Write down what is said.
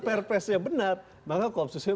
perpesnya benar maka kopsusnya